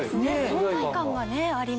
存在感がねありますよ。